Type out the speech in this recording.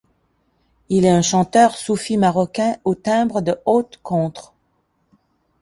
Il est un chanteur soufi marocain au timbre de haute-contre.